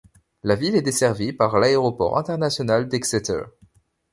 La ville est desservie par l'aéroport international d'Exeter.